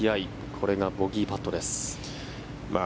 これがボギーパットです。